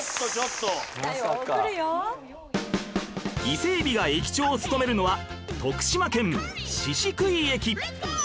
伊勢エビが駅長を務めるのは徳島県宍喰駅